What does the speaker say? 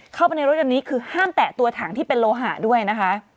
เข้าไปในรถยนต์นี้คือห้ามแตะตัวถังที่เป็นโลหะด้วยนะคะ